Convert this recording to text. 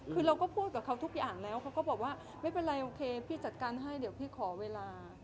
คือเราก็พูดกับเขาทุกอย่างแล้วเขาก็บอกว่าไม่เป็นไรโอเคพี่จัดการให้เดี๋ยวพี่ขอเวลา